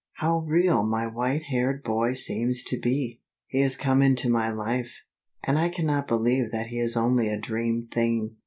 How real my white haired boy seems to be! He has come into my life, and I cannot believe that he is only a dream thing.